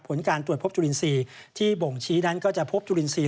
ผลการตรวจพบจุลินทรีย์ที่บ่งชี้นั้นก็จะพบจุลินทรีย์